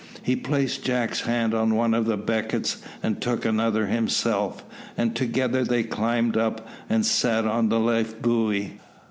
He placed Jack's hand on one of the beckets, and took another himself, and together they climbed up, and sat on the life buoy.